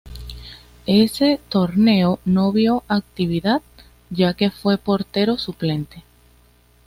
Ese torneo no vio actividad, ya que fue portero suplente.